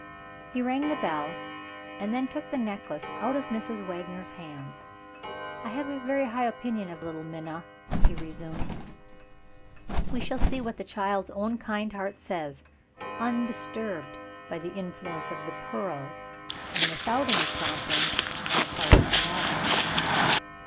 He rang the bell, and then took the necklace out of Mrs. Wagner's hands. "I have a very high opinion of little Minna," he resumed. "We will see what the child's own kind heart says undisturbed by the influence of the pearls, and without any prompting on the part of her mother."